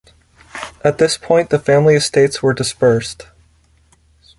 At this point the family estates were dispersed.